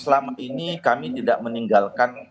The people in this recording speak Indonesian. selama ini kami tidak meninggalkan